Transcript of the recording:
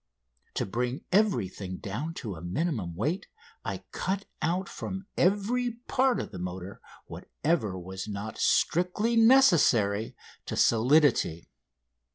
To bring everything down to a minimum weight, I cut out from every part of the motor whatever was not strictly necessary to solidity.